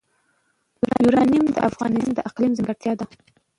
یورانیم د افغانستان د اقلیم ځانګړتیا ده.